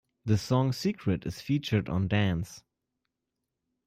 The song "Secret" is featured on "Dance!